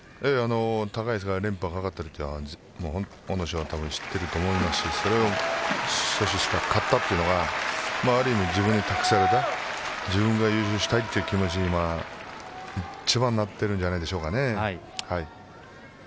高安は連覇がかかっているというのは阿武咲は知っていると思いますしそれを阻止したかったというのはある意味、自分に託された自分が優勝したいという気持ちに一番なっているんじゃないでしょうかね。